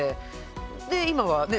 で今はね